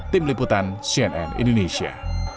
tim liputan cnn indonesia